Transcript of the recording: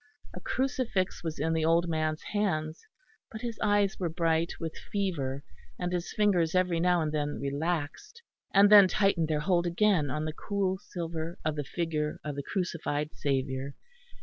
A crucifix was in the old man's hands; but his eyes were bright with fever, and his fingers every now and then relaxed, and then tightened their hold again on the cool silver of the figure of the crucified Saviour.